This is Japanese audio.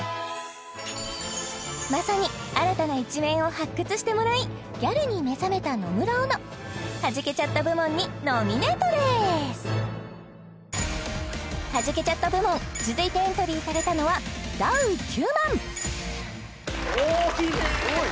まさに新たな一面を発掘してもらいギャルに目覚めた野村アナハジけちゃった部門にノミネートですハジけちゃった部門続いてエントリーされたのはダウ９００００多いね多い！